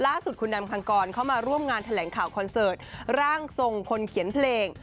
ล่าสุดคุณแอมคังกรเข้ามาร่วมงานแถลงข่าวคอนเสิร์ตร่างทรงคนเขียนเพลง